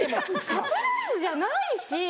サプライズじゃないし！